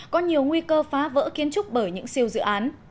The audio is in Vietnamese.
có nhiều nguy cơ phá vỡ kiến trúc bởi những siêu dự án